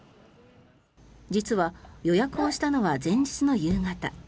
実は、予約をしたのは前日の夕方。